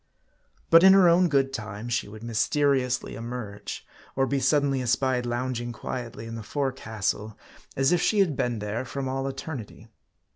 But in her own good time, she would mysteriously emerge ; or be suddenly espied lounging quietly in the forecastle, as if she had been there from all eternity.